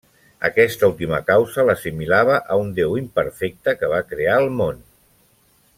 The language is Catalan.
Aquesta última causa l'assimilava a un Déu imperfecte, que va crear el món.